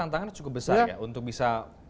tantangannya cukup besar ya untuk bisa